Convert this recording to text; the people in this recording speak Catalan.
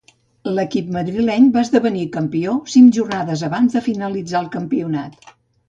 L'equip madrileny va esdevenir campió cinc jornades abans de finalitzar el campionat.